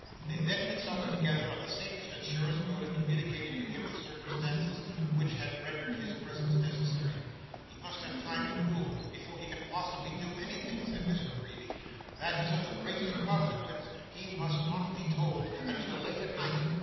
They then consulted together on the safest and surest mode of communicating to him the circumstances which had rendered his presence necessary. 'He must have time to cool before he can possibly do anything,' said Miss La Creevy. 'That is of the greatest consequence. He must not be told until late at night.